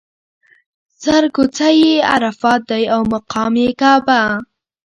سر کوڅه یې عرفات دی او مقام یې کعبه.